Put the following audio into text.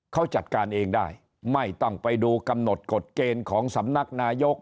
เขาจัดการเองได้ไม่ต้องไปดูกำหนดกฎเกณฑ์ของสำนักนายก